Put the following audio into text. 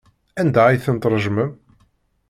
Anda ay ten-tṛejmem?